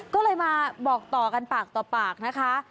ก็เลยมาบอกต่อกันปากต่อปากนะคะ